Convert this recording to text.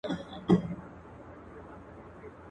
نه درك وو په ميدان كي د ټوكرانو.